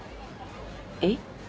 えっ？